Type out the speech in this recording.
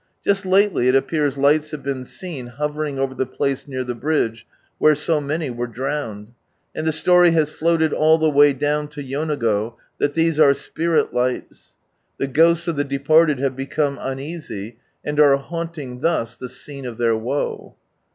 Just lately it appears lights have been seen hovering over the place near the bridge, where so many were drowned; and the Btory has floated all the way down Id Yonago, that these are spirit lights; the '■Never heard these Honourable Words" ghosts of ihe departed have become uneasy, and are haunting thus the scene of their woe.